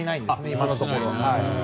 今のところ。